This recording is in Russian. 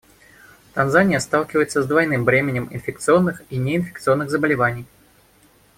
Танзания сталкивается с двойным бременем инфекционных и неинфекционных заболеваний.